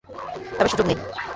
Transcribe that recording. তবে সুযোগ নেই।